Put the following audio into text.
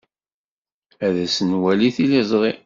As-d ad nwali tiliẓri.